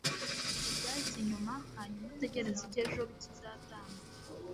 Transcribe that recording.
shyira ibyahise inyuma hanyuma utegereze icyo ejo kizatanga